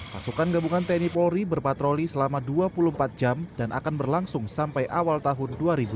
pasukan gabungan tni polri berpatroli selama dua puluh empat jam dan akan berlangsung sampai awal tahun dua ribu dua puluh